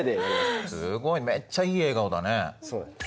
すごいめっちゃいい笑顔だね。